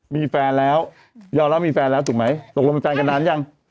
มีแฟนแล้วยอมรับมีแฟนแล้วถูกไหมตกลงเป็นแฟนกันนานยัง